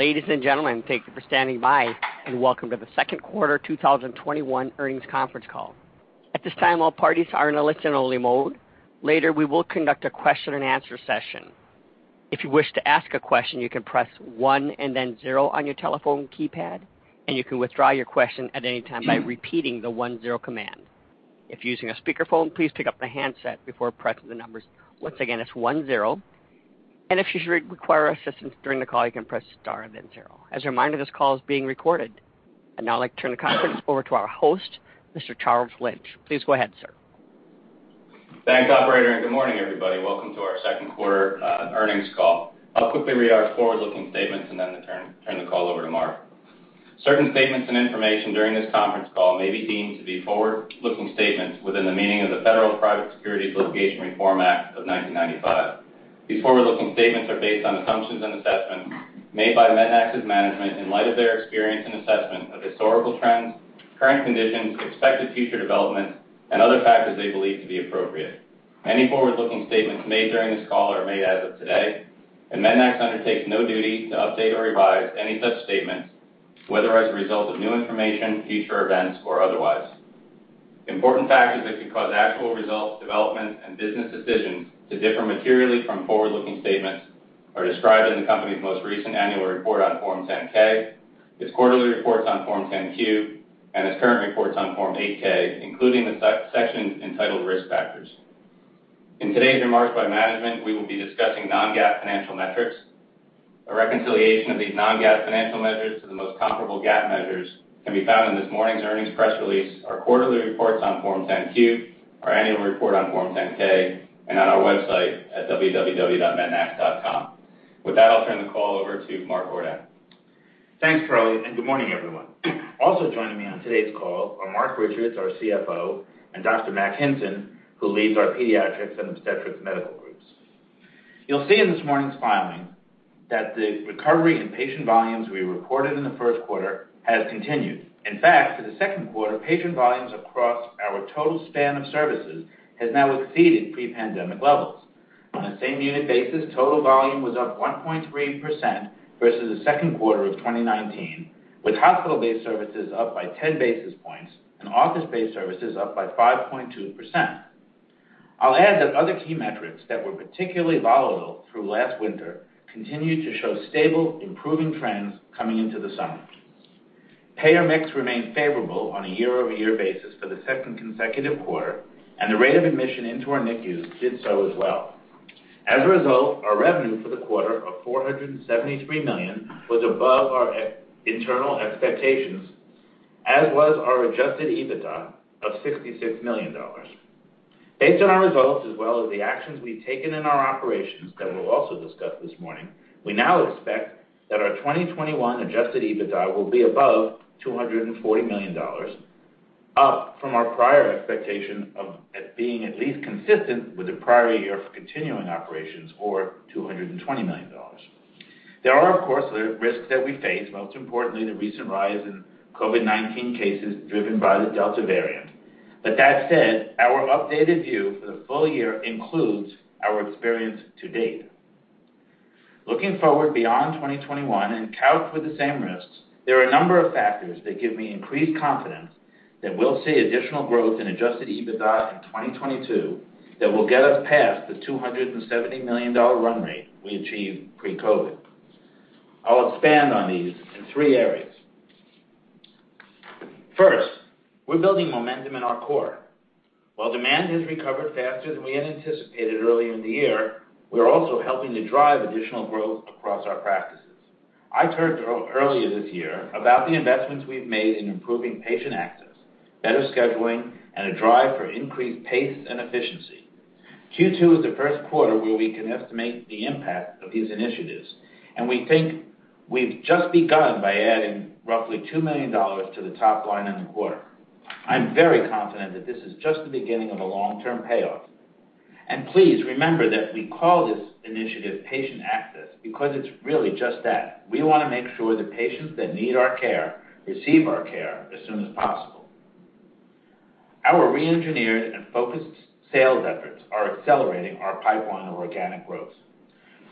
Ladies and gentlemen, thank you for standing by, and welcome to the second quarter 2021 earnings conference call. At this time, all parties are in a listen-only mode. Later, we will conduct a question and answer session. If you wish to ask a question, you can press one and then zero on your telephone keypad, and you can withdraw your question at any time by repeating the one-zero command. If you're using a speakerphone, please pick up the handset before pressing the numbers. Once again, it's one, zero. If you should require assistance during the call, you can press star and then zero. As a reminder, this call is being recorded. I'd now like to turn the conference over to our host, Mr. Charles Lynch. Please go ahead, sir. Thanks, operator. Good morning, everybody. Welcome to our second quarter earnings call. I'll quickly read our forward-looking statements and then turn the call over to Mark. Certain statements and information during this conference call may be deemed to be forward-looking statements within the meaning of the Federal Private Securities Litigation Reform Act of 1995. These forward-looking statements are based on assumptions and assessments made by Pediatrix Medical Group's management in light of their experience and assessment of historical trends, current conditions, expected future developments, and other factors they believe to be appropriate. Any forward-looking statements made during this call are made as of today. Pediatrix Medical Group undertakes no duty to update or revise any such statements, whether as a result of new information, future events, or otherwise. Important factors that could cause actual results, developments, and business decisions to differ materially from forward-looking statements are described in the company's most recent annual report on Form 10-K, its quarterly reports on Form 10-Q, and its current reports on Form 8-K, including the section entitled Risk Factors. In today's remarks by management, we will be discussing non-GAAP financial metrics. A reconciliation of these non-GAAP financial measures to the most comparable GAAP measures can be found in this morning's earnings press release, our quarterly reports on Form 10-Q, our annual report on Form 10-K, and on our website at www.mednax.com. With that, I'll turn the call over to Mark Ordan. Thanks, Charles, and good morning, everyone. Also joining me on today's call are Marc Richards, our CFO, and Dr. Mack Hinson, who leads our Pediatrix and Obstetrix Medical Groups. You'll see in this morning's filing that the recovery in patient volumes we reported in the 1st quarter has continued. In fact, for the 2nd quarter, patient volumes across our total span of services has now exceeded pre-pandemic levels. On a same unit basis, total volume was up 1.3% versus the 2nd quarter of 2019, with hospital-based services up by 10 basis points and office-based services up by 5.2%. I'll add that other key metrics that were particularly volatile through last winter continue to show stable, improving trends coming into the summer. Payer mix remained favorable on a year-over-year basis for the 2nd consecutive quarter, and the rate of admission into our NICUs did so as well. Our revenue for the quarter of $473 million was above our internal expectations, as was our Adjusted EBITDA of $66 million. Based on our results as well as the actions we've taken in our operations that we'll also discuss this morning, we now expect that our 2021 Adjusted EBITDA will be above $240 million, up from our prior expectation of it being at least consistent with the prior year for continuing operations or $220 million. There are, of course, risks that we face, most importantly, the recent rise in COVID-19 cases driven by the Delta variant. That said, our updated view for the full year includes our experience to date. Looking forward beyond 2021 and account for the same risks, there are a number of factors that give me increased confidence that we'll see additional growth in Adjusted EBITDA in 2022 that will get us past the $270 million run rate we achieved pre-COVID-19. I'll expand on these in three areas. First, we're building momentum in our core. While demand has recovered faster than we had anticipated early in the year, we're also helping to drive additional growth across our practices. I talked earlier this year about the investments we've made in improving Patient Access, better scheduling, and a drive for increased pace and efficiency. Q2 is the first quarter where we can estimate the impact of these initiatives, and we think we've just begun by adding roughly $2 million to the top line in the quarter. I'm very confident that this is just the beginning of a long-term payoff. Please remember that we call this initiative Patient Access because it's really just that. We want to make sure the patients that need our care receive our care as soon as possible. Our re-engineered and focused sales efforts are accelerating our pipeline of organic growth.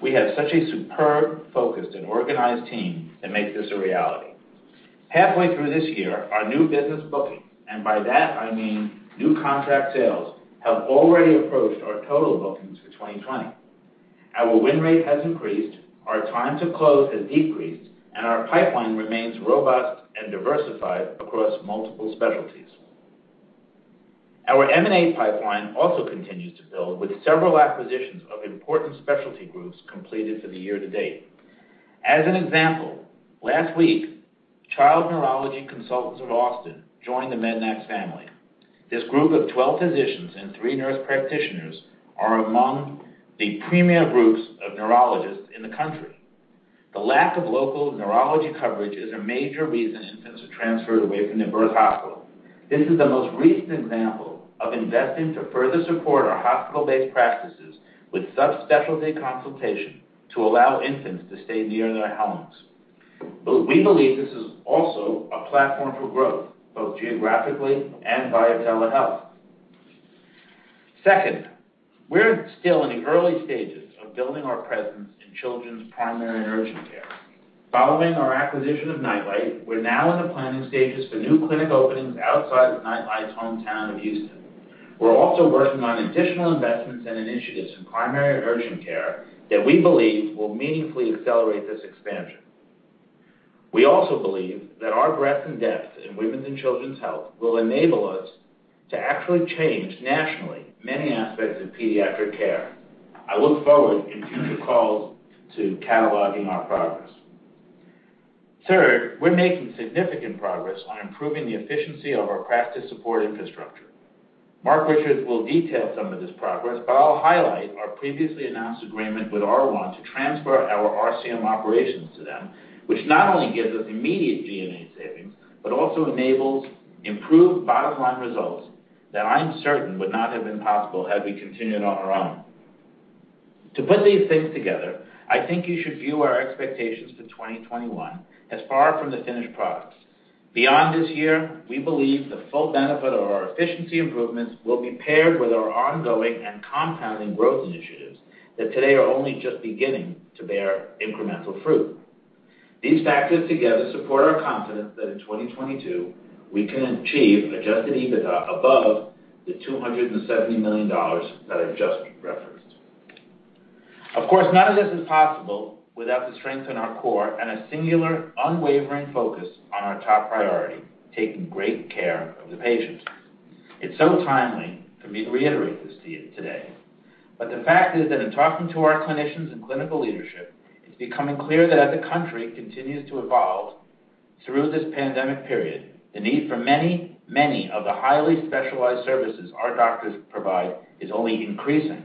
We have such a superb, focused, and organized team that makes this a reality. Halfway through this year, our new business bookings, and by that I mean new contract sales, have already approached our total bookings for 2020. Our win rate has increased, our time to close has decreased, and our pipeline remains robust and diversified across multiple specialties. Our M&A pipeline also continues to build, with several acquisitions of important specialty groups completed for the year to date. As an example, last week, Child Neurology Consultants of Austin joined the MEDNAX family. This group of 12 physicians and 3 nurse practitioners are among the premier groups of neurologists in the country. The lack of local neurology coverage is a major reason infants are transferred away from their birth hospital. This is the most recent example of investing to further support our hospital-based practices with subspecialty consultation to allow infants to stay near their homes. We believe this is also a platform for growth, both geographically and via telehealth. Second, we're still in the early stages of building our presence in children's primary and urgent care. Following our acquisition of NightLight, we're now in the planning stages for new clinic openings outside of NightLight's hometown of Houston. We're also working on additional investments and initiatives in primary urgent care that we believe will meaningfully accelerate this expansion. We also believe that our breadth and depth in women's and children's health will enable us to actually change, nationally, many aspects of pediatric care. I look forward in future calls to cataloging our progress. We're making significant progress on improving the efficiency of our practice support infrastructure. Marc Richards will detail some of this progress, but I'll highlight our previously announced agreement with R1 to transfer our RCM operations to them, which not only gives us immediate G&A savings, but also enables improved bottom-line results that I'm certain would not have been possible had we continued on our own. To put these things together, I think you should view our expectations for 2021 as far from the finished product. Beyond this year, we believe the full benefit of our efficiency improvements will be paired with our ongoing and compounding growth initiatives that today are only just beginning to bear incremental fruit. These factors together support our confidence that in 2022, we can achieve Adjusted EBITDA above the $270 million that I've just referenced. Of course, none of this is possible without the strength in our core and a singular, unwavering focus on our top priority: taking great care of the patients. It's so timely for me to reiterate this to you today, but the fact is that in talking to our clinicians and clinical leadership, it's becoming clear that as the country continues to evolve through this pandemic period, the need for many, many of the highly specialized services our doctors provide is only increasing.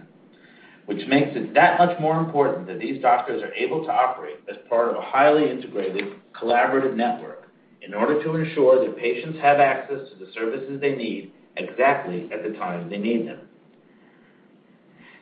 It makes it that much more important that these doctors are able to operate as part of a highly integrated, collaborative network in order to ensure that patients have access to the services they need exactly at the time they need them.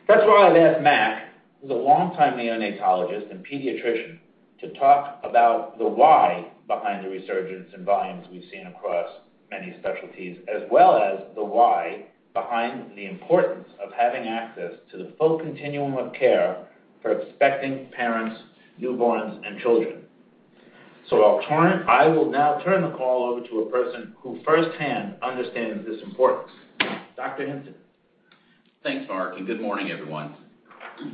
That's why I've asked Mack, who's a longtime neonatologist and pediatrician, to talk about the why behind the resurgence in volumes we've seen across many specialties, as well as the why behind the importance of having access to the full continuum of care for expecting parents, newborns, and children. I will now turn the call over to a person who firsthand understands this importance. Dr. Hinson. Thanks, Marc Richards, and good morning, everyone.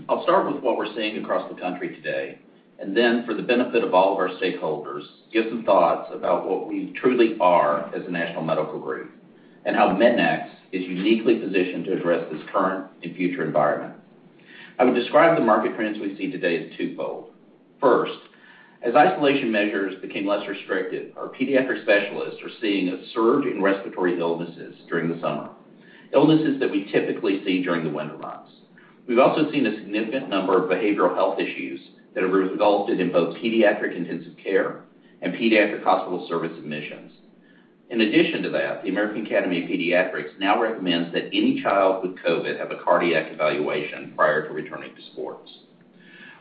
I'll start with what we're seeing across the country today, and then for the benefit of all of our stakeholders, give some thoughts about what we truly are as a national medical group and how MEDNAX is uniquely positioned to address this current and future environment. I would describe the market trends we see today as twofold. First, as isolation measures became less restrictive, our pediatric specialists are seeing a surge in respiratory illnesses during the summer, illnesses that we typically see during the winter months. We've also seen a significant number of behavioral health issues that have resulted in both pediatric intensive care and pediatric hospital service admissions. In addition to that, the American Academy of Pediatrics now recommends that any child with COVID-19 have a cardiac evaluation prior to returning to sports.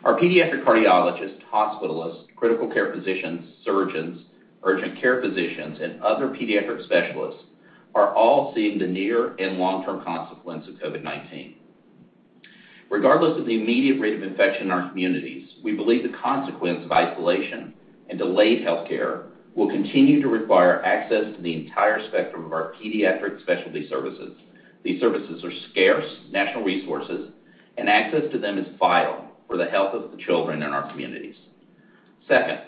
Our pediatric cardiologists, hospitalists, critical care physicians, surgeons, urgent care physicians, and other pediatric specialists are all seeing the near and long-term consequences of COVID-19. Regardless of the immediate rate of infection in our communities, we believe the consequence of isolation and delayed healthcare will continue to require access to the entire spectrum of our pediatric specialty services. These services are scarce national resources, and access to them is vital for the health of the children in our communities. Second,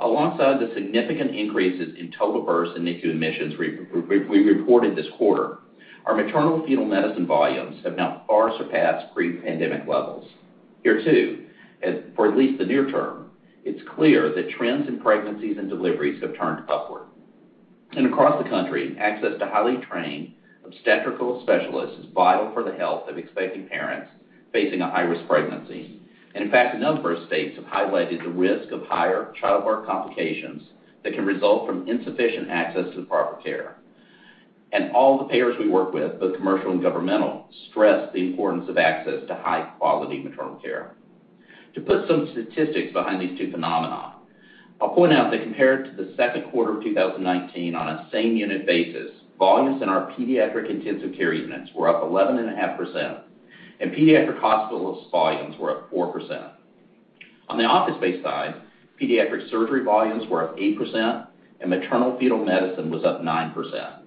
alongside the significant increases in total births and NICU admissions we reported this quarter, our maternal-fetal medicine volumes have now far surpassed pre-pandemic levels. Here, too, for at least the near term, it's clear that trends in pregnancies and deliveries have turned upward. Across the country, access to highly trained obstetrical specialists is vital for the health of expecting parents facing a high-risk pregnancy. In fact, a number of states have highlighted the risk of higher childbirth complications that can result from insufficient access to the proper care. All the payers we work with, both commercial and governmental, stress the importance of access to high-quality maternal care. To put some statistics behind these two phenomena, I'll point out that compared to the second quarter of 2019 on a same unit basis, volumes in our pediatric intensive care units were up 11.5%, and pediatric hospitalist volumes were up 4%. On the office-based side, pediatric surgery volumes were up 8%, and maternal-fetal medicine was up 9%.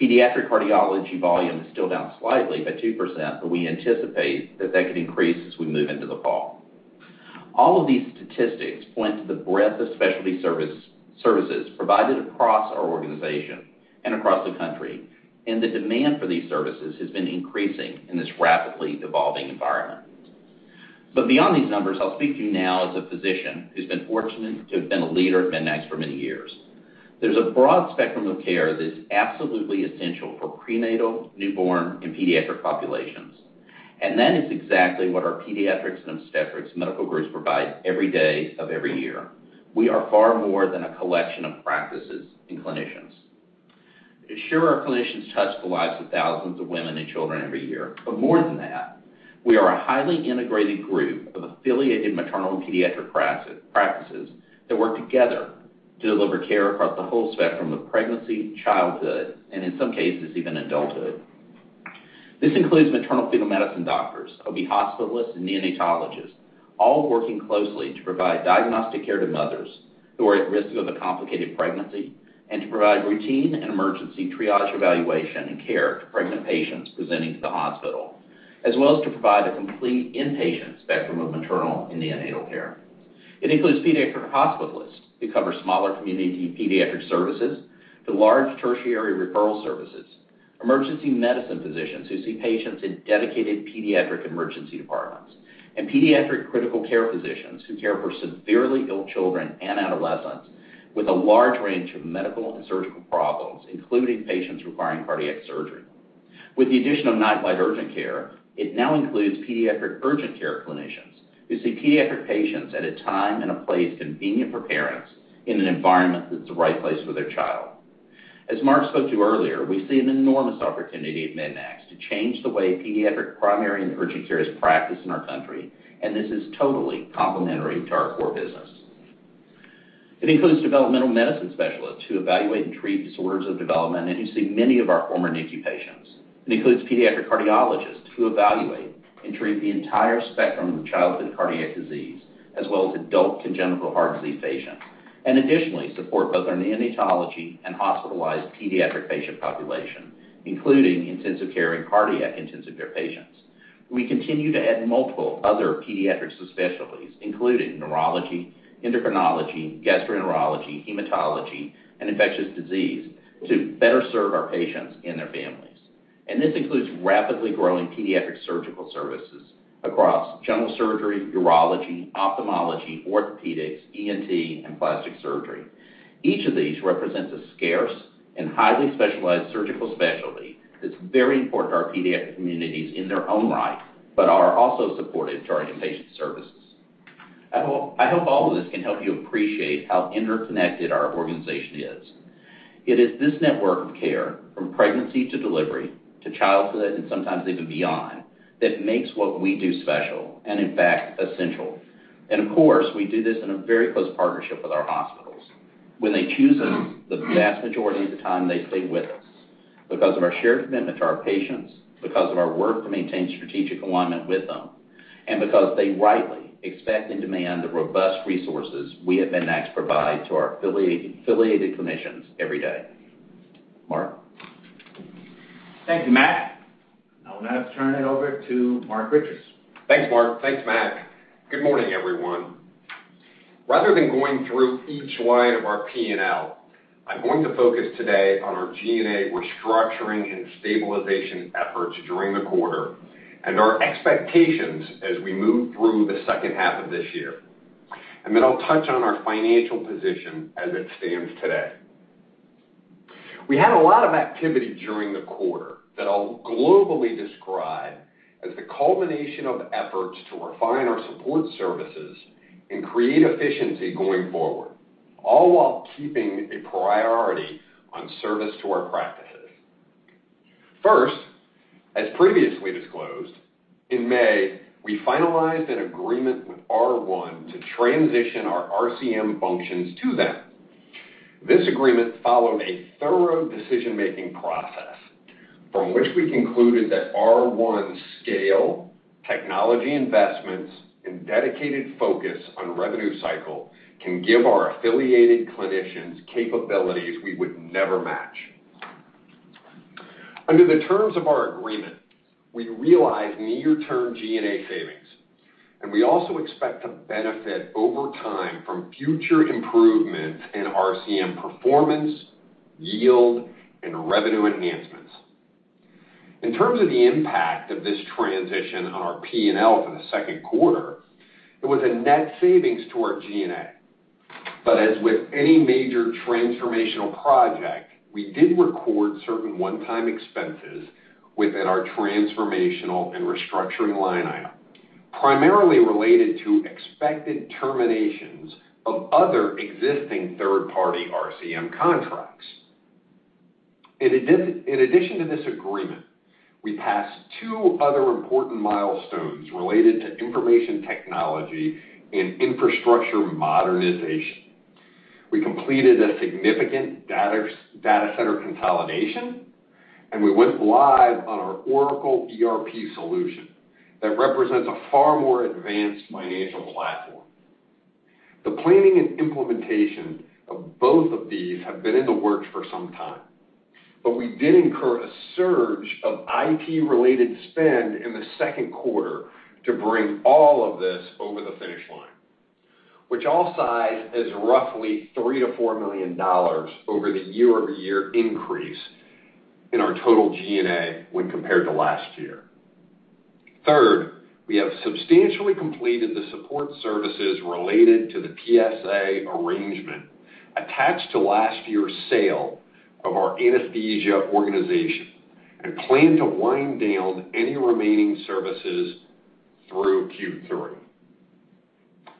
Pediatric cardiology volume is still down slightly by 2%, we anticipate that that could increase as we move into the fall. All of these statistics point to the breadth of specialty services provided across our organization and across the country, and the demand for these services has been increasing in this rapidly evolving environment. Beyond these numbers, I'll speak to you now as a physician who's been fortunate to have been a leader at MEDNAX for many years. There's a broad spectrum of care that is absolutely essential for prenatal, newborn, and pediatric populations, and that is exactly what our Pediatrix and Obstetrix medical groups provide every day of every year. We are far more than a collection of practices and clinicians. Sure, our clinicians touch the lives of thousands of women and children every year. More than that, we are a highly integrated group of affiliated maternal and pediatric practices that work together to deliver care across the whole spectrum of pregnancy, childhood, and in some cases, even adulthood. This includes maternal-fetal medicine doctors, OB hospitalists, and neonatologists, all working closely to provide diagnostic care to mothers who are at risk of a complicated pregnancy and to provide routine and emergency triage evaluation and care to pregnant patients presenting to the hospital, as well as to provide a complete inpatient spectrum of maternal and neonatal care. It includes pediatric hospitalists who cover smaller community pediatric services to large tertiary referral services, emergency medicine physicians who see patients in dedicated pediatric emergency departments, and pediatric critical care physicians who care for severely ill children and adolescents with a large range of medical and surgical problems, including patients requiring cardiac surgery. With the addition of NightLight Urgent Care, it now includes pediatric urgent care clinicians who see pediatric patients at a time and a place convenient for parents in an environment that's the right place for their child. As Mark Ordan spoke to earlier, we see an enormous opportunity at MEDNAX to change the way pediatric primary and urgent care is practiced in our country. This is totally complementary to our core business. It includes developmental medicine specialists who evaluate and treat disorders of development and who see many of our former NICU patients. It includes pediatric cardiologists who evaluate and treat the entire spectrum of childhood cardiac disease, as well as adult congenital heart disease patients, and additionally support both our neonatology and hospitalized pediatric patient population, including intensive care and cardiac intensive care patients. We continue to add multiple other pediatric specialties, including neurology, endocrinology, gastroenterology, hematology, and infectious disease, to better serve our patients and their families. This includes rapidly growing pediatric surgical services across general surgery, urology, ophthalmology, orthopedics, ENT, and plastic surgery. Each of these represents a scarce and highly specialized surgical specialty that is very important to our pediatric communities in their own right, but are also supportive to our inpatient services. I hope all of this can help you appreciate how interconnected our organization is. It is this network of care, from pregnancy to delivery, to childhood, and sometimes even beyond, that makes what we do special and, in fact, essential. Of course, we do this in a very close partnership with our hospitals. When they choose us, the vast majority of the time they stay with us because of our shared commitment to our patients, because of our work to maintain strategic alignment with them, and because they rightly expect and demand the robust resources we at MEDNAX provide to our affiliated clinicians every day. Mark? Thank you, Mack Hinson. I'll now turn it over to Marc Richards. Thanks, Mack. Thanks, Mark. Good morning, everyone. Rather than going through each line of our P&L, I'm going to focus today on our G&A restructuring and stabilization efforts during the quarter and our expectations as we move through the second half of this year. I'll touch on our financial position as it stands today. We had a lot of activity during the quarter that I'll globally describe as the culmination of efforts to refine our support services and create efficiency going forward, all while keeping a priority on service to our practices. First, as previously disclosed, in May, we finalized an agreement with R1 to transition our RCM functions to them. This agreement followed a thorough decision-making process from which we concluded that R1's scale, technology investments, and dedicated focus on revenue cycle can give our affiliated clinicians capabilities we would never match. Under the terms of our agreement, we realize near-term G&A savings. We also expect to benefit over time from future improvements in RCM performance, yield, and revenue enhancements. In terms of the impact of this transition on our P&L for the second quarter, it was a net savings to our G&A. As with any major transformational project, we did record certain one-time expenses within our transformational and restructuring line item, primarily related to expected terminations of other existing third-party RCM contracts. In addition to this agreement, we passed two other important milestones related to information technology and infrastructure modernization. We completed a significant data center consolidation. We went live on our Oracle ERP solution. That represents a far more advanced financial platform. The planning and implementation of both of these have been in the works for some time, but we did incur a surge of IT-related spend in the second quarter to bring all of this over the finish line, which I will cite as roughly $3 million-$4 million over the year-over-year increase in our total G&A when compared to last year. Third, we have substantially completed the support services related to the PSA arrangement attached to last year's sale of our American Anesthesiology and plan to wind down any remaining services through Q3.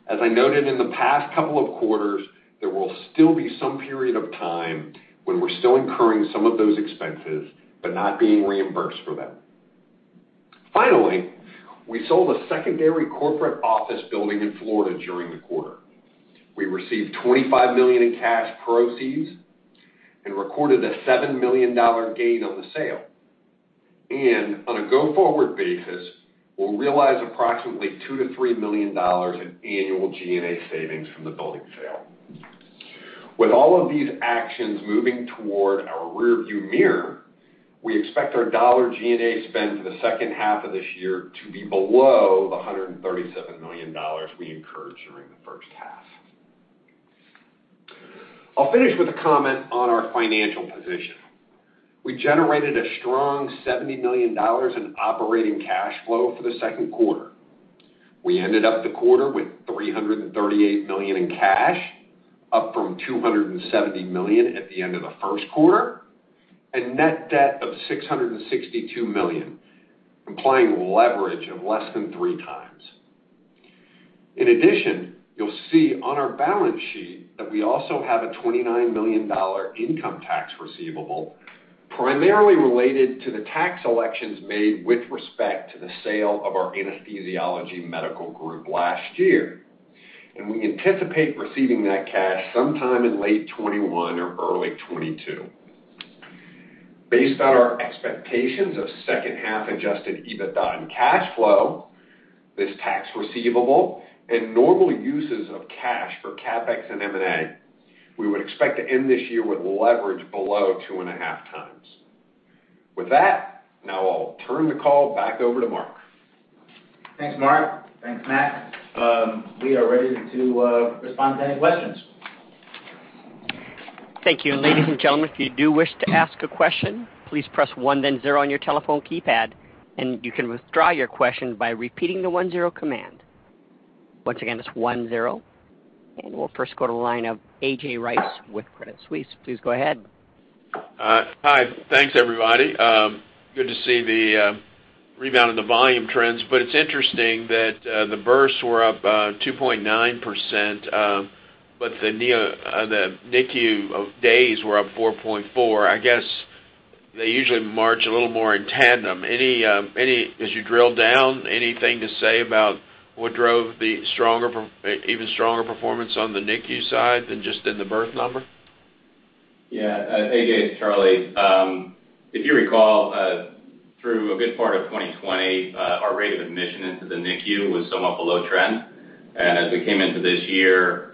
As I noted in the past couple of quarters, there will still be some period of time when we are still incurring some of those expenses but not being reimbursed for them. Finally, we sold a secondary corporate office building in Florida during the quarter. We received $25 million in cash proceeds and recorded a $7 million gain on the sale. On a go-forward basis, we'll realize approximately $2 million-$3 million in annual G&A savings from the building sale. With all of these actions moving toward our rearview mirror, we expect our dollar G&A spend for the second half of this year to be below the $137 million we incurred during the first half. I'll finish with a comment on our financial position. We generated a strong $70 million in operating cash flow for the second quarter. We ended up the quarter with $338 million in cash, up from $270 million at the end of the first quarter, and net debt of $662 million, implying leverage of less than 3 times. In addition, you'll see on our balance sheet that we also have a $29 million income tax receivable, primarily related to the tax elections made with respect to the sale of our American Anesthesiology last year. We anticipate receiving that cash sometime in late 2021 or early 2022. Based on our expectations of second half-Adjusted EBITDA and cash flow, this tax receivable, and normal uses of cash for CapEx and M&A, we would expect to end this year with leverage below 2.5 times. With that, now I'll turn the call back over to Mark. Thanks, Marc. Thanks, Mack. We are ready to respond to any questions. Thank you. Ladies and gentlemen, if you do wish to ask a question, please press 1 then 0 on your telephone keypad, you can withdraw your question by repeating the one zero command. Once again, it's one zero, we'll first go to the line of A.J. Rice with Credit Suisse. Please go ahead. Hi. Thanks, everybody. Good to see the rebound in the volume trends, but it's interesting that the births were up 2.9%, but the NICU days were up 4.4%. I guess they usually march a little more in tandem. As you drill down, anything to say about what drove the even stronger performance on the NICU side than just in the birth number? Yeah, A.J., it's Charlie. If you recall, through a good part of 2020, our rate of admission into the NICU was somewhat below trend. As we came into this year,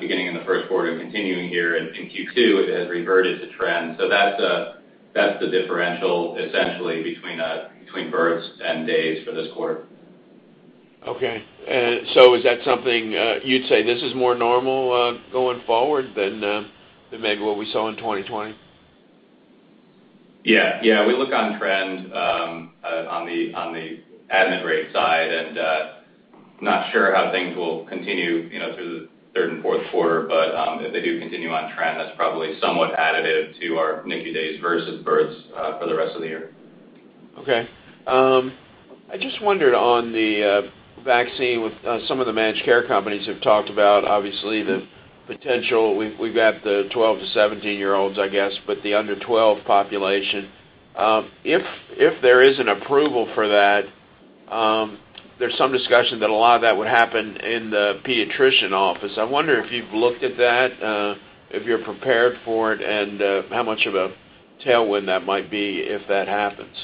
beginning in the first quarter and continuing here in Q2, it has reverted to trend. That's the differential, essentially, between births and days for this quarter. Okay. Is that something you'd say this is more normal going forward than maybe what we saw in 2020? Yeah. We look on trend on the admit rate side, and I'm not sure how things will continue through the third and fourth quarter, but if they do continue on trend, that's probably somewhat additive to our NICU days versus births for the rest of the year. Okay. I just wondered on the vaccine with some of the managed care companies have talked about, obviously, the potential. We've got the 12-17 year olds, I guess, but the under 12 population. If there is an approval for that, there's some discussion that a lot of that would happen in the pediatrician office. I wonder if you've looked at that, if you're prepared for it, and how much of a tailwind that might be if that happens.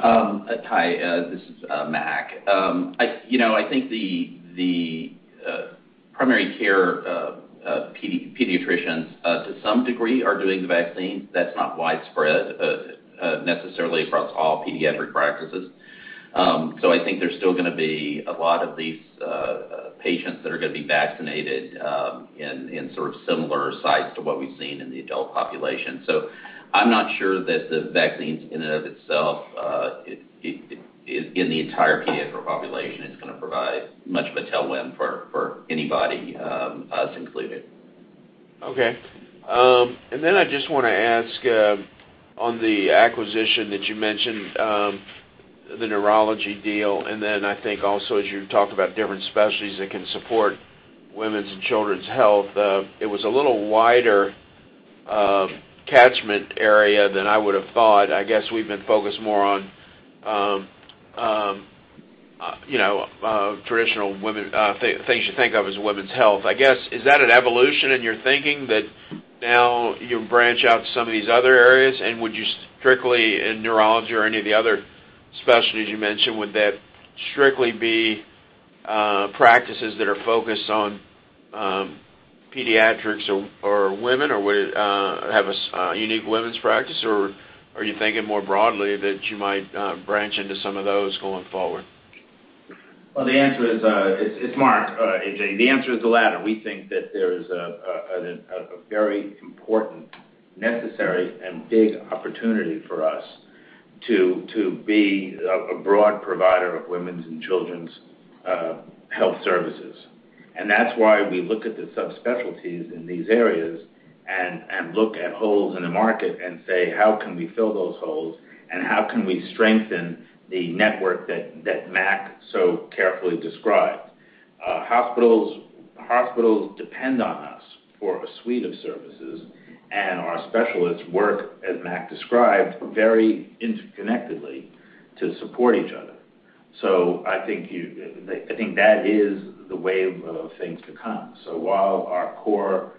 Hi, this is Mack. I think the primary care pediatricians, to some degree, are doing the vaccines. That's not widespread necessarily across all pediatric practices. I think there's still going to be a lot of these patients that are going to be vaccinated in sort of similar sites to what we've seen in the adult population. I'm not sure that the vaccines in and of itself in the entire pediatric population is going to provide much of a tailwind for anybody, us included. Okay. Then I just want to ask on the acquisition that you mentioned, the neurology deal, then I think also as you talk about different specialties that can support women's and children's health, it was a little wider catchment area than I would have thought. I guess we've been focused more on traditional things you think of as women's health. I guess, is that an evolution in your thinking that now you branch out to some of these other areas? Would you strictly in neurology or any of the other specialties you mentioned, would that strictly be practices that are focused on pediatrics or women? Would it have a unique women's practice, or are you thinking more broadly that you might branch into some of those going forward? It's Mark, A.J. The answer is the latter. We think that there's a very important, necessary, and big opportunity for us to be a broad provider of women's and children's health services. That's why we look at the subspecialties in these areas and look at holes in the market and say, "How can we fill those holes, and how can we strengthen the network that Mack so carefully described?" Hospitals depend on us for a suite of services, and our specialists work, as Mack Hinson described, very interconnectedly to support each other. I think that is the way of things to come. While our core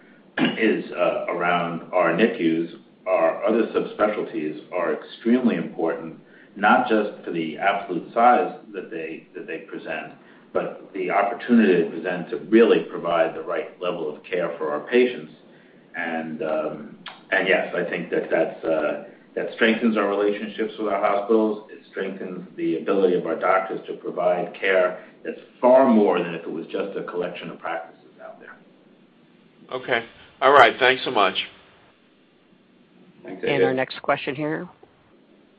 is around our NICUs, our other subspecialties are extremely important, not just for the absolute size that they present, but the opportunity they present to really provide the right level of care for our patients. Yes, I think that strengthens our relationships with our hospitals. It strengthens the ability of our doctors to provide care that's far more than if it was just a collection of practices out there. Okay. All right. Thanks so much. Thanks. Our next question here,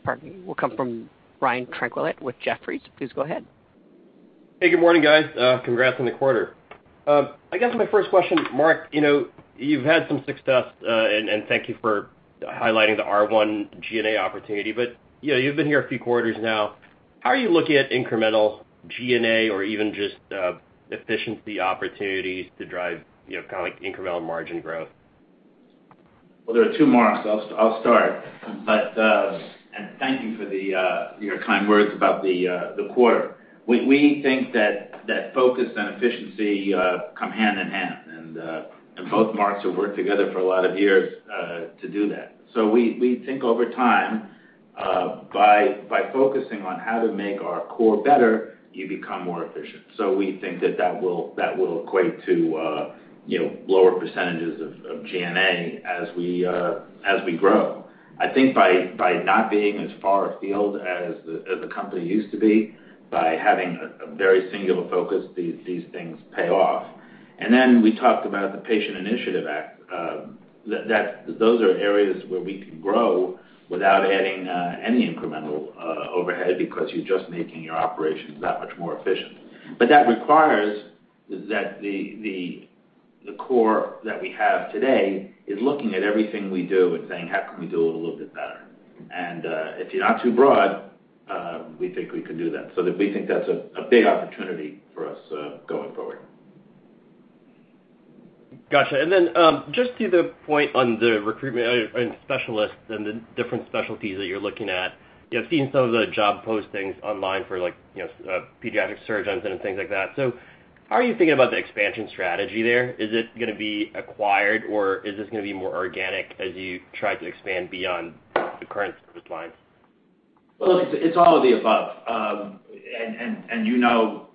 pardon me, will come from Brian Tanquilut with Jefferies. Please go ahead. Hey, good morning, guys. Congrats on the quarter. I guess my first question, Mark, you've had some success, and thank you for highlighting the R1 G&A opportunity, but you've been here a few quarters now. How are you looking at incremental G&A or even just efficiency opportunities to drive incremental margin growth? Well, there are two Marks. I'll start. Thank you for your kind words about the quarter. We think that focus and efficiency come hand-in-hand, and both Marks have worked together for a lot of years to do that. We think over time, by focusing on how to make our core better, you become more efficient. We think that will equate to lower percentages of G&A as we grow. I think by not being as far afield as the company used to be, by having a very singular focus, these things pay off. Then we talked about the Patient Access. Those are areas where we can grow without adding any incremental overhead because you're just making your operations that much more efficient. That requires that the core that we have today is looking at everything we do and saying, "How can we do it a little bit better?" If you're not too broad, we think we can do that. We think that's a big opportunity for us going forward. Got you. Just to the point on the recruitment and specialists and the different specialties that you're looking at, seeing some of the job postings online for pediatric surgeons and things like that. How are you thinking about the expansion strategy there? Is it going to be acquired, or is this going to be more organic as you try to expand beyond the current service lines? Well, look, it's all of the above. You know,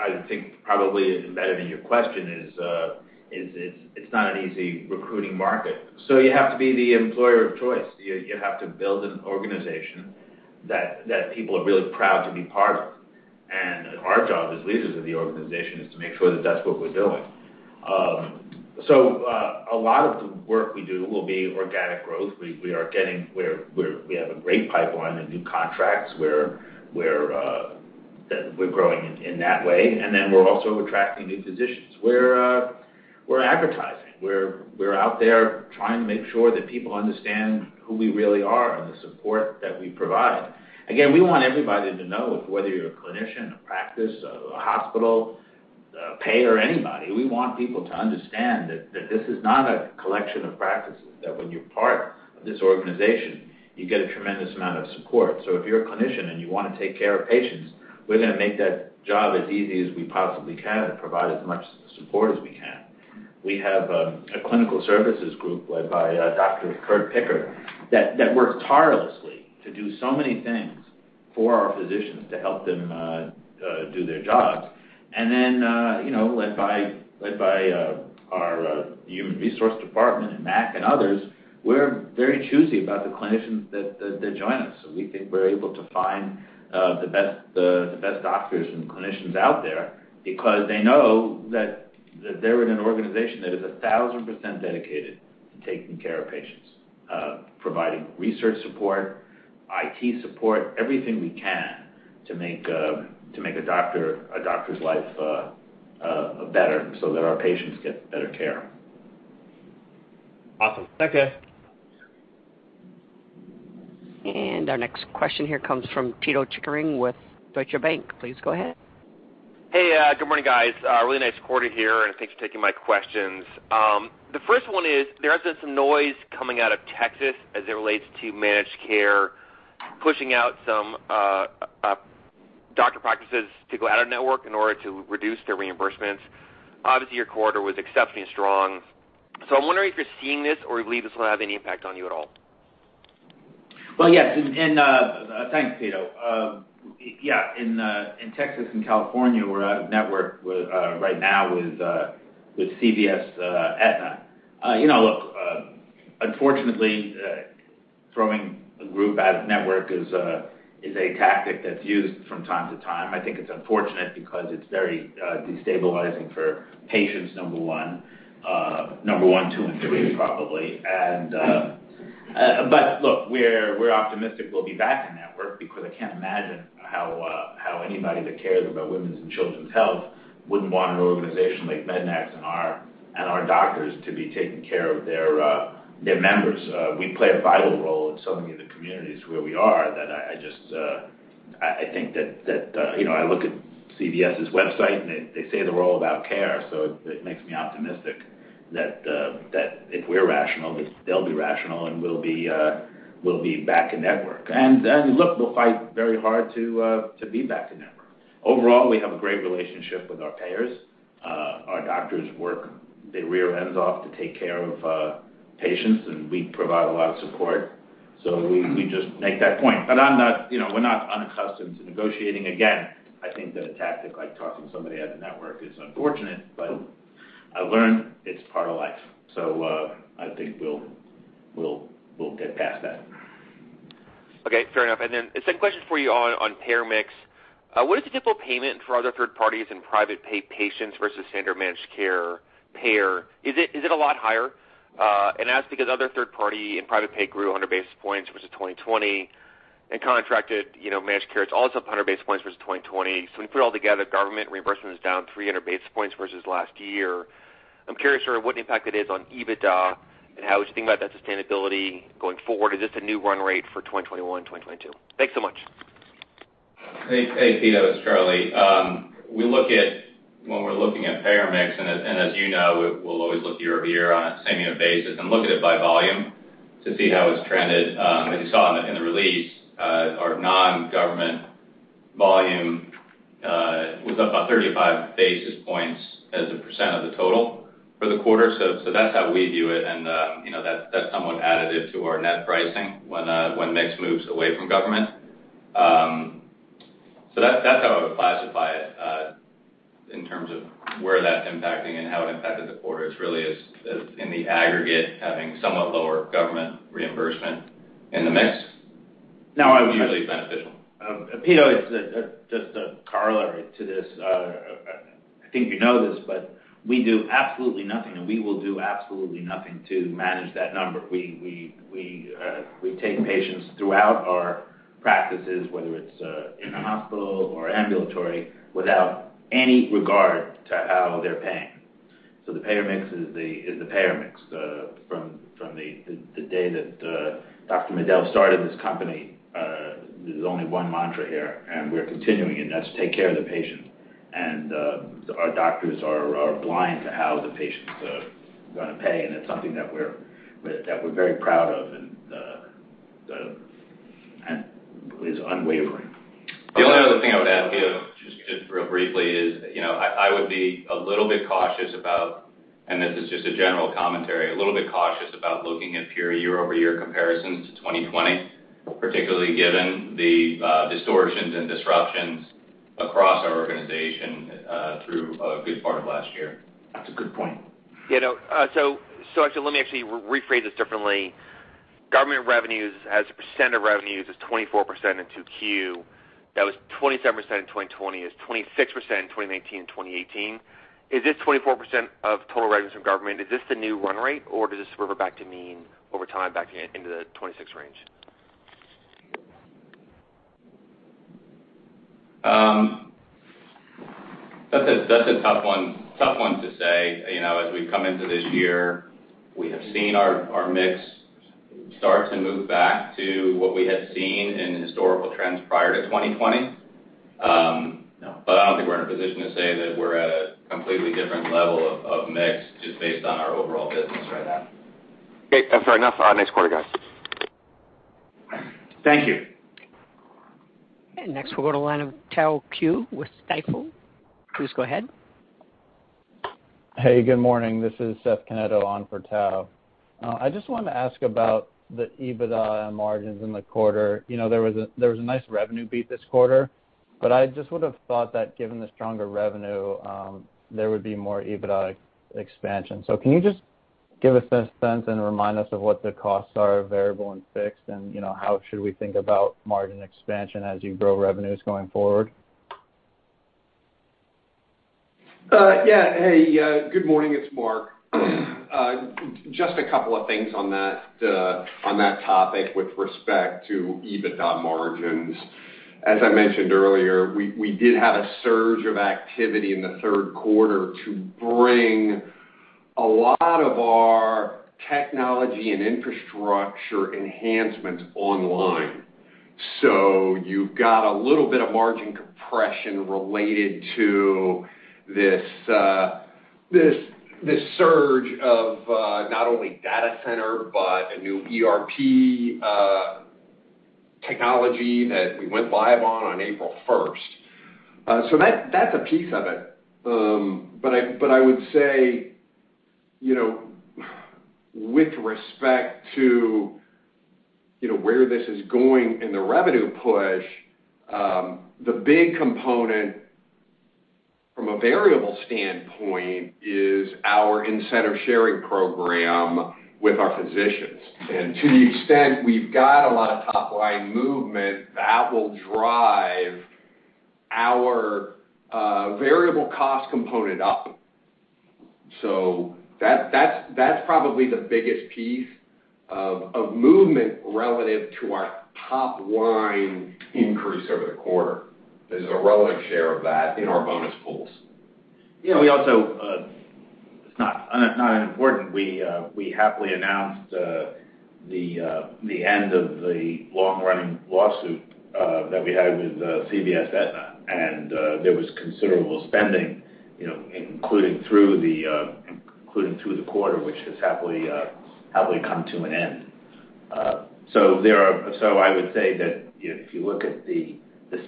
I think probably embedded in your question is it's not an easy recruiting market. You have to be the employer of choice. You have to build an organization that people are really proud to be part of. Our job as leaders of the organization is to make sure that's what we're doing. A lot of the work we do will be organic growth. We have a great pipeline of new contracts. We're growing in that way, and then we're also attracting new physicians. We're advertising. We're out there trying to make sure that people understand who we really are and the support that we provide. We want everybody to know, whether you're a clinician, a practice, a hospital, a payer, anybody, we want people to understand that this is not a collection of practices, that when you're part of this organization, you get a tremendous amount of support. If you're a clinician and you want to take care of patients, we're going to make that job as easy as we possibly can and provide as much support as we can. We have a clinical services group led by Dr. Curt Pickert that works tirelessly to do so many things for our physicians to help them do their jobs. Led by our human resource department and Mac and others, we're very choosy about the clinicians that join us. We think we're able to find the best doctors and clinicians out there because they know that they're in an organization that is 1,000% dedicated to taking care of patients, providing research support, IT support, everything we can to make a doctor's life better so that our patients get better care. Awesome. Thank you. Our next question here comes from Pito Chickering with Deutsche Bank. Please go ahead. Hey, good morning, guys. A really nice quarter here, and thanks for taking my questions. The first one is, there has been some noise coming out of Texas as it relates to managed care, pushing out some doctor practices to go out-of-network in order to reduce their reimbursements. Obviously, your quarter was exceptionally strong. I'm wondering if you're seeing this or believe this will have any impact on you at all. Well, yes. Thanks, Pito. Yeah. In Texas and California, we're out-of-network right now with CVS Aetna. Look, unfortunately, throwing a group out-of-network is a tactic that's used from time to time. I think it's unfortunate because it's very destabilizing for patients, number one. Number one, two, and three, probably. Look, we're optimistic we'll be back in-network because I can't imagine how anybody that cares about women's and children's health wouldn't want an organization like MEDNAX and our doctors to be taking care of their members. We play a vital role in so many of the communities where we are that I look at CVS's website, and they say they're all about care, so it makes me optimistic that if we're rational, they'll be rational, and we'll be back in-network. Look, we'll fight very hard to be back in-network. Overall, we have a great relationship with our payers. Our doctors work their rear ends off to take care of patients, and we provide a lot of support, so we just make that point. We're not unaccustomed to negotiating. Again, I think that a tactic like tossing somebody out-of-network is unfortunate, but I learned it's part of life, so I think we'll get past that. Okay, fair enough. Then a second question for you on payer mix. What is the typical payment for other third parties and private pay patients versus standard managed care payer? Is it a lot higher? I ask because other third party and private pay grew 100 basis points versus 2020 and contracted managed care. It's also up 100 basis points versus 2020. When you put it all together, government reimbursement is down 300 basis points versus last year. I'm curious sort of what impact that is on EBITDA and how we should think about that sustainability going forward. Is this a new run rate for 2021, 2022? Thanks so much. Hey, Pito, it's Charles. When we're looking at payer mix, and as you know, we'll always look year-over-year on a same unit basis and look at it by volume to see how it's trended. As you saw in the release, our non-government volume was up by 35 basis points as a % of the total for the quarter. That's how we view it, and that's somewhat additive to our net pricing when mix moves away from government. That's how I would classify it in terms of where that's impacting and how it impacted the quarter. It's really is in the aggregate having somewhat lower government reimbursement in the mix. No. Usually beneficial. Pito, it's just a corollary to this. I think you know this, but we do absolutely nothing, and we will do absolutely nothing to manage that number. We take patients throughout our practices, whether it's in a hospital or ambulatory, without any regard to how they're paying. The payer mix is the payer mix. From the day that Dr. Medel started this company, there's only one mantra here, and we're continuing it, and that's take care of the patient. Our doctors are blind to how the patient's going to pay, and it's something that we're very proud of and is unwavering. The only other thing I would add, Pito, just real briefly, is I would be a little bit cautious about, and this is just a general commentary, a little bit cautious about looking at pure year-over-year comparisons to 2020, particularly given the distortions and disruptions across our organization through a good part of last year. That's a good point. Yeah, actually, let me actually rephrase this differently. Government revenues as a % of revenues is 24% in 2Q. That was 27% in 2020. It was 26% in 2019 and 2018. Is this 24% of total revenues from government, is this the new run rate, or does this revert back to mean over time back into the 26 range? That's a tough one to say. As we've come into this year, we have seen our mix start to move back to what we had seen in historical trends prior to 2020. Yeah. I don't think we're in a position to say that we're at a completely different level of mix just based on our overall business right now. Okay. That's fair enough. Thanks. Next quarter, guys. Thank you. Next we'll go to the line of Tao Qiu with Stifel. Please go ahead. Hey, good morning. This is Seth Canetto on for Tao. I just wanted to ask about the EBITDA margins in the quarter. There was a nice revenue beat this quarter, I just would've thought that given the stronger revenue, there would be more EBITDA expansion. Can you just give us a sense and remind us of what the costs are, variable and fixed, and how should we think about margin expansion as you grow revenues going forward? Yeah. Hey, good morning. It's Marc. Just a couple of things on that topic with respect to EBITDA margins. As I mentioned earlier, we did have a surge of activity in the third quarter to bring a lot of our technology and infrastructure enhancements online. You've got a little bit of margin compression related to this surge of not only data center, but a new ERP technology that we went live on April 1st. That's a piece of it. I would say, with respect to where this is going in the revenue push, the big component from a variable standpoint is our incentive sharing program with our physicians. To the extent we've got a lot of top-line movement, that will drive. A variable cost component up. That's probably the biggest piece of movement relative to our top-line increase over the quarter. There's a relative share of that in our bonus pools. Yeah. We also, it's not unimportant, we happily announced the end of the long-running lawsuit that we had with CVS Aetna. There was considerable spending including through the quarter, which has happily come to an end. I would say that if you look at the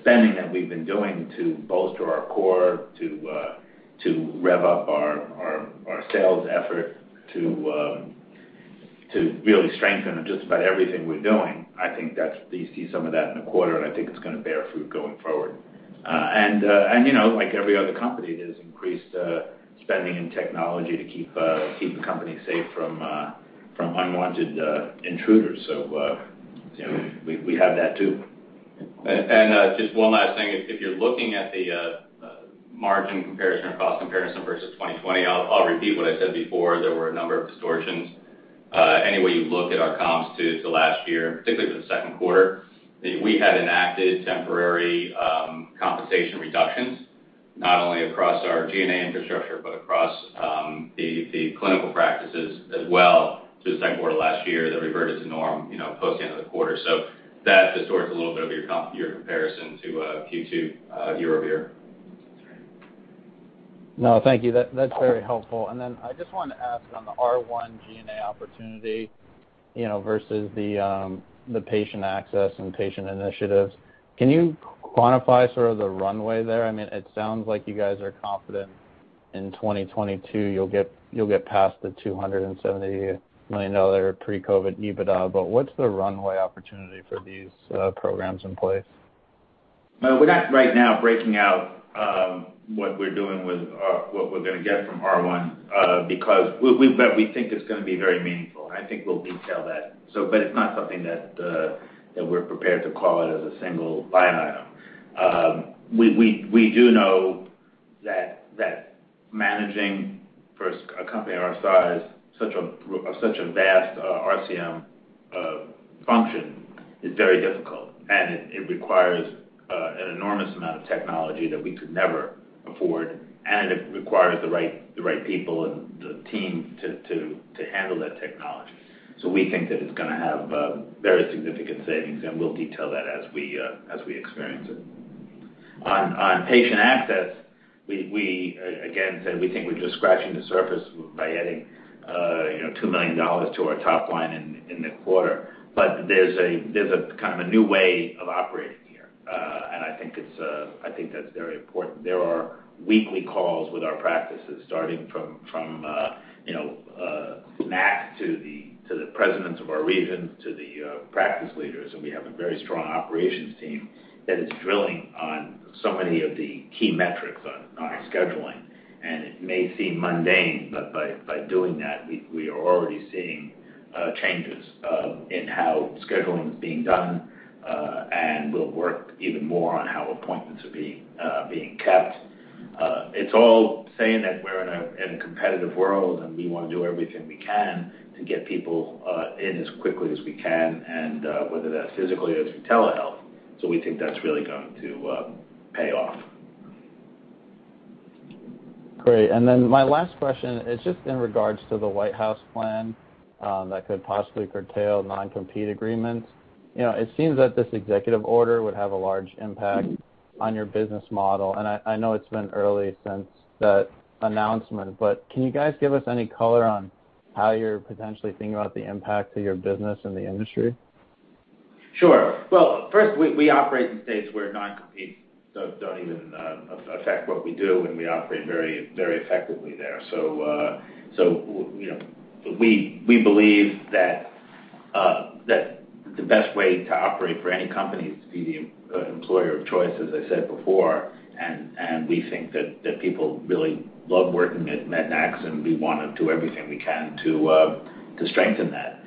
spending that we've been doing to bolster our core to rev up our sales effort to really strengthen just about everything we're doing, I think that you see some of that in the quarter, and I think it's going to bear fruit going forward. Like every other company, there's increased spending in technology to keep the company safe from unwanted intruders. We have that too. Just one last thing is if you're looking at the margin comparison or cost comparison versus 2020, I'll repeat what I said before, there were a number of distortions. Any way you look at our comps to last year, particularly for the second quarter, we had enacted temporary compensation reductions not only across our G&A infrastructure, but across the clinical practices as well through the second quarter last year that reverted to norm post end of the quarter. That distorts a little bit of your comp, your comparison to Q2 year-over-year. No, thank you. That's very helpful. I just wanted to ask on the R1 G&A opportunity versus the Patient Access and patient initiatives, can you quantify sort of the runway there? It sounds like you guys are confident in 2022 you'll get past the $270 million pre-COVID EBITDA, what's the runway opportunity for these programs in place? No, we're not right now breaking out what we're going to get from R1, but we think it's going to be very meaningful, and I think we'll detail that, but it's not something that we're prepared to call it as a single line item. We do know that managing for a company our size, such a vast RCM function is very difficult, and it requires an enormous amount of technology that we could never afford, and it requires the right people and the team to handle that technology. We think that it's going to have very significant savings, and we'll detail that as we experience it. On Patient Access, we again said we think we're just scratching the surface by adding $2 million to our top line in the quarter. There's a kind of a new way of operating here. I think that's very important. There are weekly calls with our practices, starting from Mack to the presidents of our regions, to the practice leaders. We have a very strong operations team that is drilling on so many of the key metrics on our scheduling. It may seem mundane, but by doing that, we are already seeing changes in how scheduling is being done. We'll work even more on how appointments are being kept. It's all saying that we're in a competitive world. We want to do everything we can to get people in as quickly as we can, whether that's physically or through telehealth. We think that's really going to pay off. Great. My last question is just in regards to the White House plan that could possibly curtail non-compete agreements. It seems that this executive order would have a large impact on your business model, and I know it's been early since that announcement, but can you guys give us any color on how you're potentially thinking about the impact to your business and the industry? Sure. Well, first, we operate in states where non-competes don't even affect what we do, and we operate very effectively there. We believe that the best way to operate for any company is to be the employer of choice, as I said before. We think that people really love working at Mednax, and we want to do everything we can to strengthen that.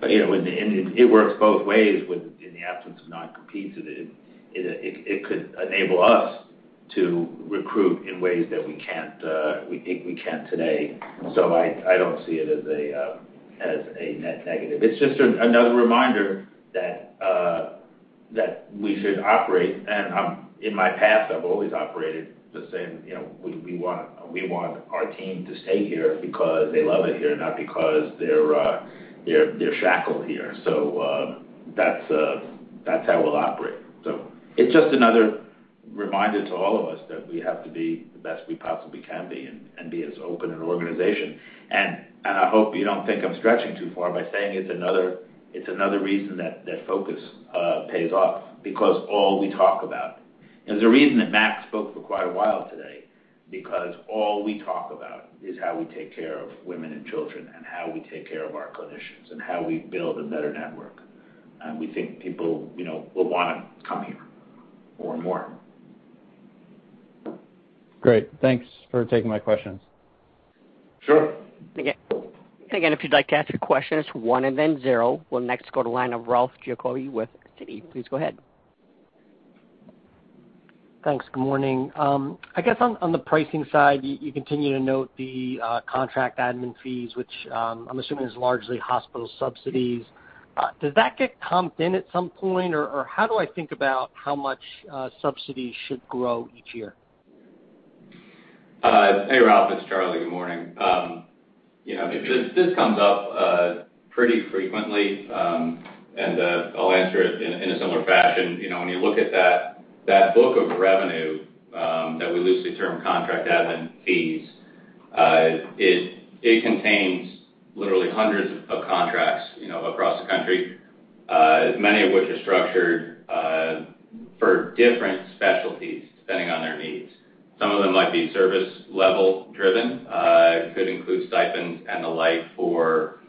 But it works both ways, in the absence of non-competes, it could enable us to recruit in ways that we think we can't today. I don't see it as a net negative. It's just another reminder that we should operate, and in my past, I've always operated the same. We want our team to stay here because they love it here, not because they're shackled here. That's how we'll operate. It's just another reminder to all of us that we have to be the best we possibly can be and be as open an organization. I hope you don't think I'm stretching too far by saying it's another reason that that focus pays off because there's a reason that Mack spoke for quite a while today because all we talk about is how we take care of women and children and how we take care of our clinicians and how we build a better network. We think people will want to come here more and more. Great. Thanks for taking my questions. Sure. If you'd like to ask a question, it's one and then zero. We'll next go to the line of Ralph Giacobbe with Citi. Please go ahead. Thanks. Good morning. I guess on the pricing side, you continue to note the contract admin fees, which I'm assuming is largely hospital subsidies. Does that get comped in at some point? How do I think about how much subsidies should grow each year? Hey, Ralph. It's Charles. Good morning. This comes up pretty frequently, and I'll answer it in a similar fashion. When you look at that book of revenue that we loosely term contract admin fees, it contains literally hundreds of contracts across the country, many of which are structured for different specialties depending on their needs. Some of them might be service level driven. It could include stipends and the like for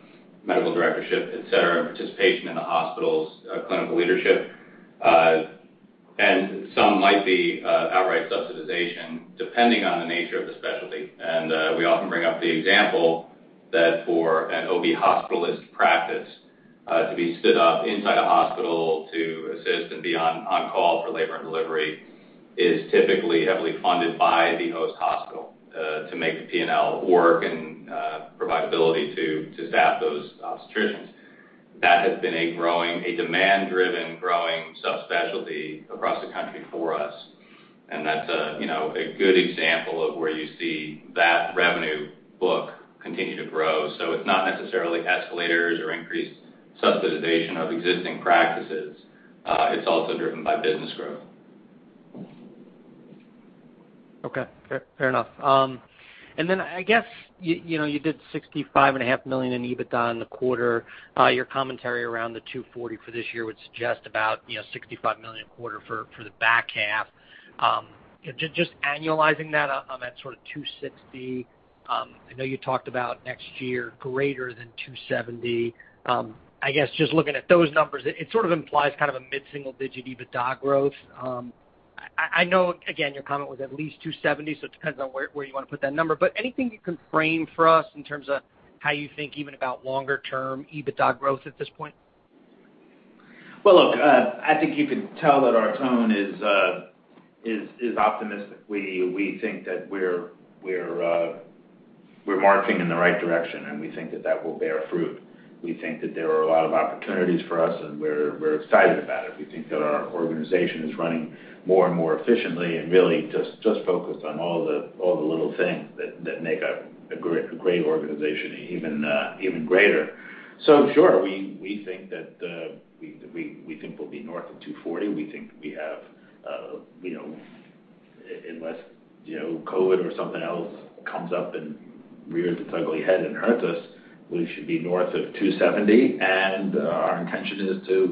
medical directorship, et cetera, and participation in the hospital's clinical leadership. Some might be outright subsidization, depending on the nature of the specialty. We often bring up the example that for an OB hospitalist practice to be stood up inside a hospital to assist and be on call for labor and delivery is typically heavily funded by the host hospital to make the P&L work and provide ability to staff those obstetricians. That has been a demand-driven, growing subspecialty across the country for us, and that's a good example of where you see that revenue book continue to grow. It's not necessarily escalators or increased subsidization of existing practices. It's also driven by business growth. Okay. Fair enough. I guess, you did $65.5 million in EBITDA in the quarter. Your commentary around the $240 for this year would suggest about $65 million a quarter for the back half. Just annualizing that on that sort of $260, I know you talked about next year greater than $270. I guess just looking at those numbers, it sort of implies a mid-single-digit EBITDA growth. I know, again, your comment was at least $270, so it depends on where you want to put that number, but anything you can frame for us in terms of how you think even about longer-term EBITDA growth at this point? Well, look, I think you can tell that our tone is optimistic. We think that we're marching in the right direction, and we think that that will bear fruit. We think that there are a lot of opportunities for us, and we're excited about it. We think that our organization is running more and more efficiently and really just focused on all the little things that make a great organization even greater. Sure, we think we'll be north of 240. We think we have, unless COVID-19 or something else comes up and rears its ugly head and hurts us, we should be north of 270, and our intention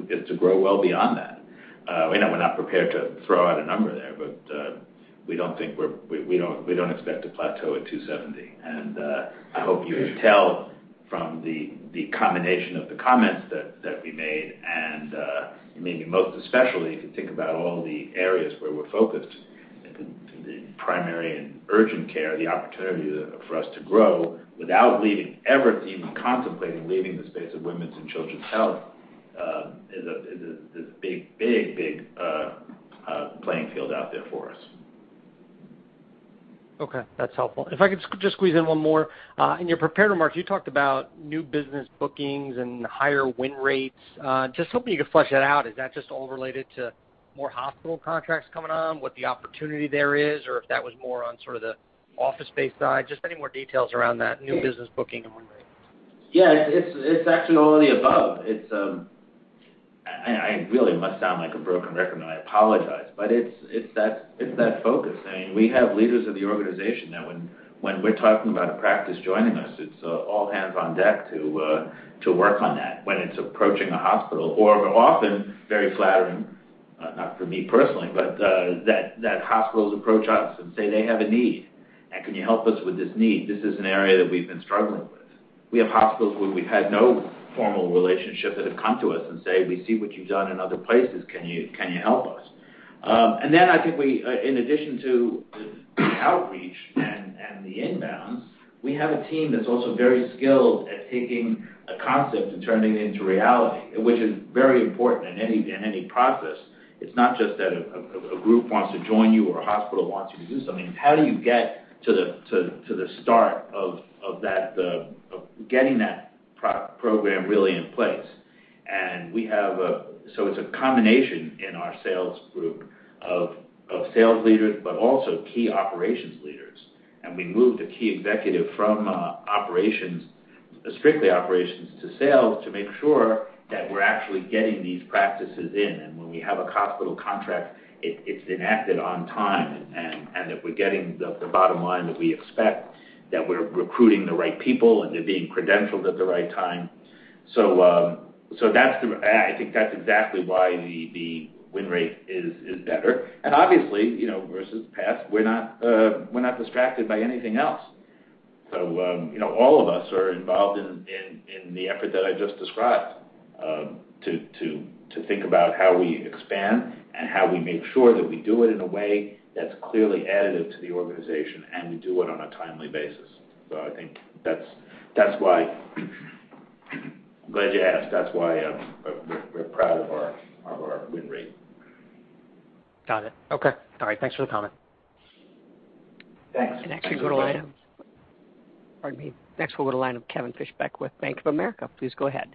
is to grow well beyond that. We're not prepared to throw out a number there, but we don't expect to plateau at 270, and I hope you can tell from the combination of the comments that we made, and maybe most especially, if you think about all the areas where we're focused in the primary and urgent care, the opportunity for us to grow without ever even contemplating leaving the space of women's and children's health, is a big playing field out there for us. Okay. That's helpful. If I could just squeeze in one more. In your prepared remarks, you talked about new business bookings and higher win rates. Just hoping you could flesh that out. Is that just all related to more hospital contracts coming on? What the opportunity there is, or if that was more on sort of the office space side, just any more details around that new business booking and win rate. It's actually all of the above. I really must sound like a broken record, I apologize, but it's that focus, saying we have leaders of the organization that when we're talking about a practice joining us, it's all hands on deck to work on that when it's approaching a hospital or often very flattering, not for me personally, but that hospitals approach us and say they have a need. Can you help us with this need? This is an area that we've been struggling with. We have hospitals where we've had no formal relationship that have come to us and say, "We see what you've done in other places. Can you help us? I think in addition to the outreach and the inbounds, we have a team that's also very skilled at taking a concept and turning it into reality, which is very important in any process. It's not just that a group wants to join you or a hospital wants you to do something. It's how do you get to the start of getting that program really in place. It's a combination in our sales group of sales leaders, but also key operations leaders. We moved a key executive from strictly operations to sales to make sure that we're actually getting these practices in, and when we have a hospital contract, it's enacted on time, and that we're getting the bottom line that we expect, that we're recruiting the right people, and they're being credentialed at the right time. I think that's exactly why the win rate is better. Obviously, versus past, we're not distracted by anything else. All of us are involved in. In the effort that I just described, to think about how we expand and how we make sure that we do it in a way that's clearly additive to the organization, and we do it on a timely basis. I'm glad you asked. That's why we're proud of our win rate. Got it. Okay. All right. Thanks for the comment. Thanks. pardon me. Next, we'll go to line of Kevin Fischbeck with Bank of America. Please go ahead.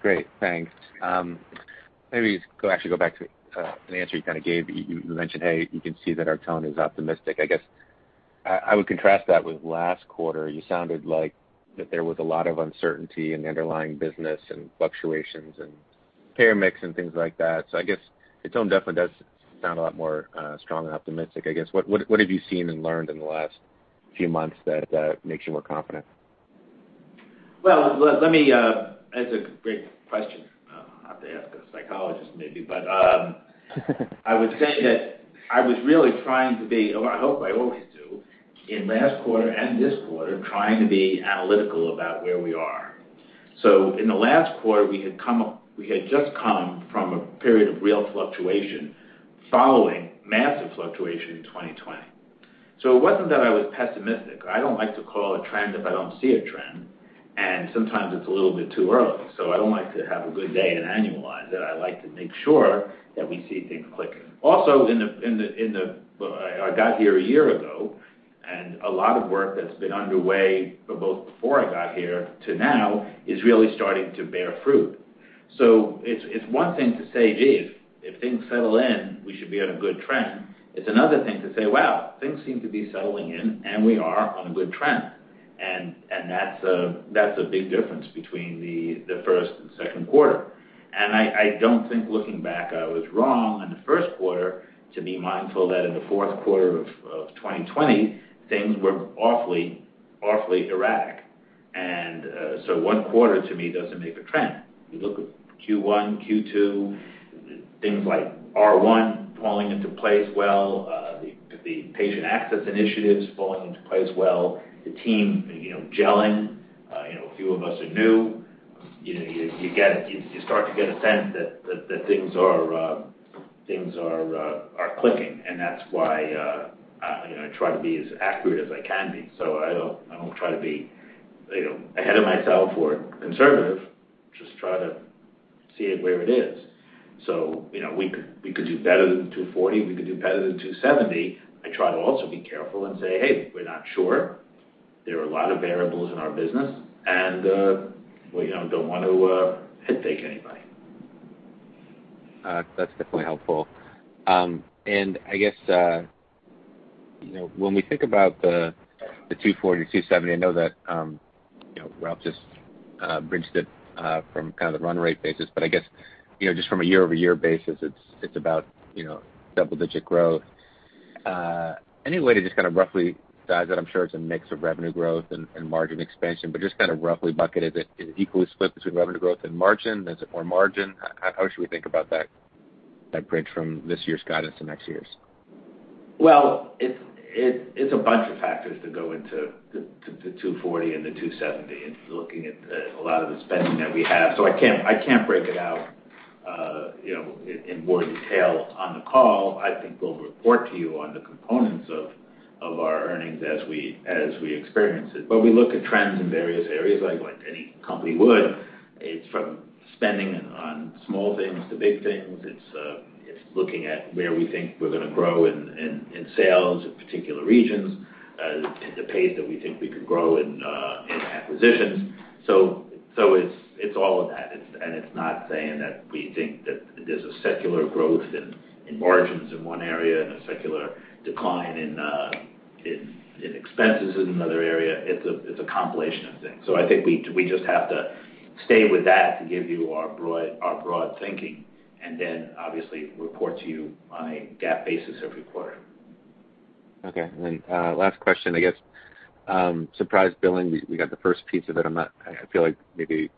Great, thanks. Maybe go actually go back to an answer you gave. You mentioned, "Hey, you can see that our tone is optimistic." I guess I would contrast that with last quarter. You sounded like that there was a lot of uncertainty in the underlying business and fluctuations in care mix and things like that. I guess the tone definitely does sound a lot more strong and optimistic, I guess. What have you seen and learned in the last few months that makes you more confident? That's a great question. I'll have to ask a psychologist maybe. I would say that I was really trying to be, or I hope I always do, in last quarter and this quarter, trying to be analytical about where we are. In the last quarter, we had just come from a period of real fluctuation following massive fluctuation in 2020. It wasn't that I was pessimistic. I don't like to call a trend if I don't see a trend, and sometimes it's a little bit too early. I don't like to have a good day and annualize it. I like to make sure that we see things clicking. I got here a year ago, and a lot of work that's been underway for both before I got here to now is really starting to bear fruit. It's one thing to say, "Geez, if things settle in, we should be on a good trend." It's another thing to say, "Wow, things seem to be settling in, and we are on a good trend." That's a big difference between the first and second quarter. I don't think looking back, I was wrong in the first quarter to be mindful that in the fourth quarter of 2020, things were awfully erratic. One quarter to me doesn't make a trend. You look at Q1, Q2, things like R1 falling into place well, the Patient Access initiatives falling into place well, the team gelling. A few of us are new. You start to get a sense that things are clicking, and that's why I try to be as accurate as I can be. I don't try to be ahead of myself or conservative, just try to see it where it is. We could do better than $240. We could do better than $270. I try to also be careful and say, "Hey, we're not sure." There are a lot of variables in our business, and we don't want to head fake anybody. That's definitely helpful. I guess when we think about the $240 million-$270 million, I know that Ralph just bridged it from the run rate basis, but I guess just from a year-over-year basis, it's about double-digit growth. Any way to just roughly size that? I'm sure it's a mix of revenue growth and margin expansion, but just roughly bucket it. Is it equally split between revenue growth and margin? Is it more margin? How should we think about that bridge from this year's guidance to next year's? It's a bunch of factors that go into the 240 and the 270. It's looking at a lot of the spending that we have. I can't break it out in more detail on the call. I think we'll report to you on the components of our earnings as we experience it. We look at trends in various areas like any company would. It's from spending on small things to big things. It's looking at where we think we're going to grow in sales in particular regions, the pace that we think we can grow in acquisitions. It's all of that. It's not saying that we think that there's a secular growth in margins in one area and a secular decline in expenses in another area. It's a compilation of things. I think we just have to stay with that to give you our broad thinking, and then obviously report to you on a GAAP basis every quarter. Okay. Last question, I guess. Surprise billing, we got the 1st piece of it. I feel like maybe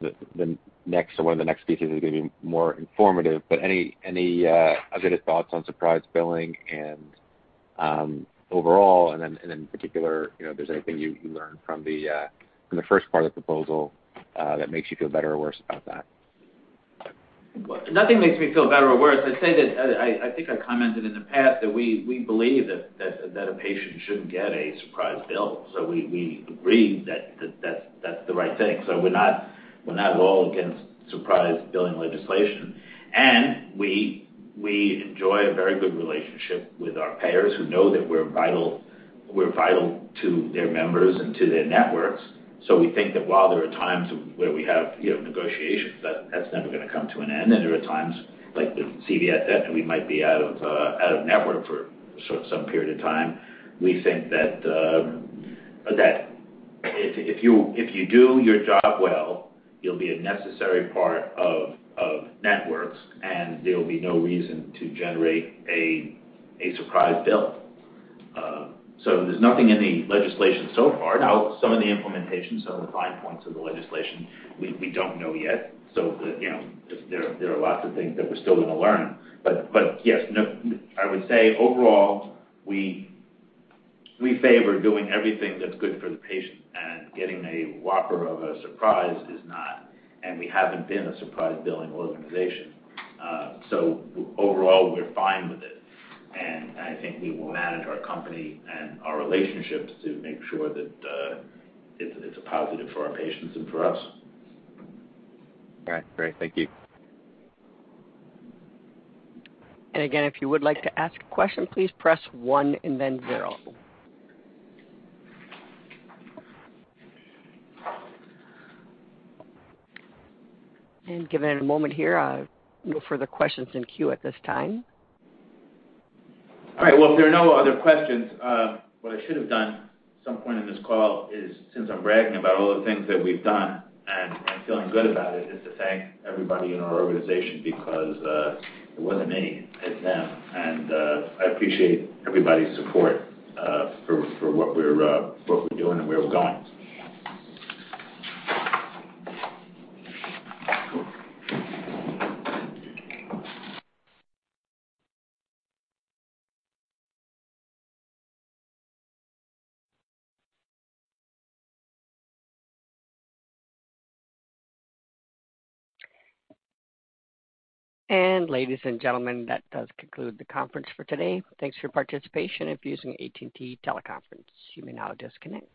the next or 1 of the next pieces is going to be more informative, any updated thoughts on surprise billing and overall, and then in particular, if there's anything you learned from the 1st part of the proposal that makes you feel better or worse about that? Nothing makes me feel better or worse. I think I commented in the past that we believe that a patient shouldn't get a surprise bill. We agree that that's the right thing. We're not at all against surprise billing legislation. We enjoy a very good relationship with our payers who know that we're vital to their members and to their networks. We think that while there are times where we have negotiations, that's never going to come to an end. There are times, like with CVS, that we might be out of network for some period of time. We think that if you do your job well, you'll be a necessary part of networks, and there will be no reason to generate a surprise bill. There's nothing in the legislation so far. Now, some of the implementations, some of the fine points of the legislation, we don't know yet. There are lots of things that we're still going to learn. Yes, I would say overall, we favor doing everything that's good for the patient, and getting a whopper of a surprise is not, and we haven't been a surprise billing organization. Overall, we're fine with it, and I think we will manage our company and our relationships to make sure that it's a positive for our patients and for us. All right, great. Thank you. Again, if you would like to ask a question, please press 1 and then 0. Giving it a moment here. No further questions in queue at this time. All right. Well, if there are no other questions, what I should have done some point in this call is, since I'm bragging about all the things that we've done and feeling good about it, is to thank everybody in our organization because it wasn't me, it's them. I appreciate everybody's support for what we're doing and where we're going. Ladies and gentlemen, that does conclude the conference for today. Thanks for your participation. If you're using AT&T teleconference, you may now disconnect.